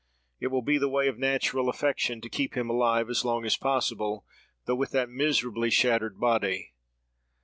It will be the way of natural affection to keep him alive as long as possible, though with that miserably shattered body.